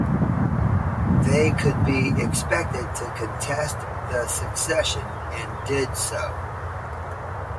They could be expected to contest the succession, and did so.